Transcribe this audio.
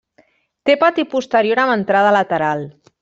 Té pati posterior amb entrada lateral.